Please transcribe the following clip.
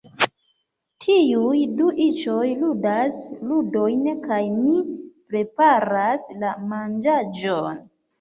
Tiuj du iĉoj ludas ludojn kaj ni preparas la manĝaĵon